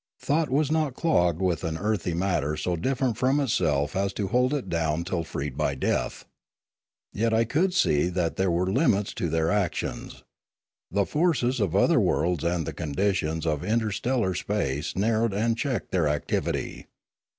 Thought was not clogged with an earthy matter so different from itself as to hold it down till freed by death. Yet I could see that there were limits to their actions. The forces of other worlds and the conditions of interstellar space narrowed and checked their activity.